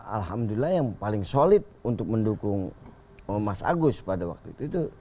alhamdulillah yang paling solid untuk mendukung mas agus pada waktu itu